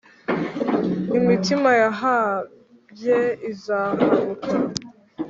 Imitima yahabye izahabuka,